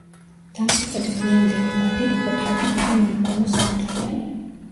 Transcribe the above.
დამწიფების გვიანდელი ვადით ფოთლები დიდი მომრგვალო, სამფრთიანი.